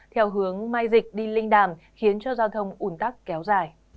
theo hướng mai dịch đi linh đàm khiến cho giao thông ủn tắc kéo dài